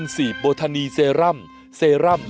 โอ้โหบุคเพครับ